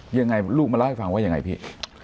ยังไงลูกมาเล่าให้ฟังว่ายังไงพี่